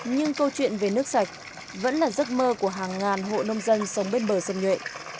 nhưng câu chuyện về nước sạch vẫn là giấc mơ của hàng ngàn hộ nông dân sống bên bờ sông nhuệ